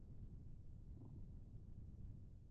圣阿勒班德沃塞尔人口变化图示